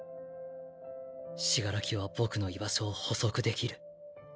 死柄木は僕の居場所を捕捉できる。